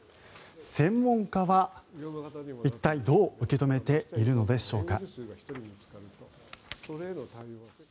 専門家は一体どう受け止めているのでしょうか。